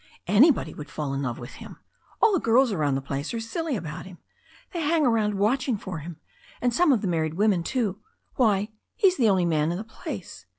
Anybody would fall in love with him. All the girls in the place are silly about him. They hang around watching for him — ^and some of the married women too Why, he's the only man in the place!